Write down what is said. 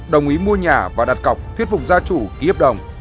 đồng ý mua nhà và đặt cọc thuyết phục gia chủ ký hợp đồng